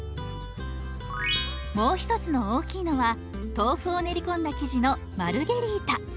もう一つの大きいのは豆腐を練り込んだ生地のマルゲリータ。